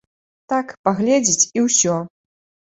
Так, паглядзець, і ўсё.